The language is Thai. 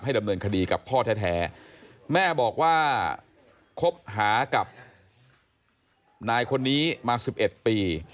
ดำเนินคดีกับพ่อแท้แม่บอกว่าคบหากับนายคนนี้มา๑๑ปี